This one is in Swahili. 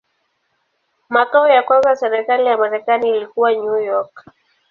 Makao ya kwanza ya serikali ya Marekani ilikuwa New York.